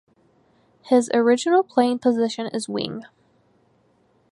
His original playing position is wing.